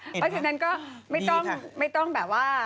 เพราะฉะนั้นก็ไม่ต้องแบบว่า